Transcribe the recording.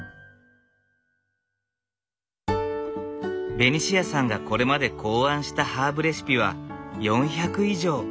ベニシアさんがこれまで考案したハーブレシピは４００以上。